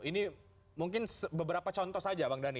ini mungkin beberapa contoh saja bang dhani